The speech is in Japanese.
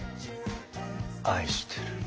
愛してる。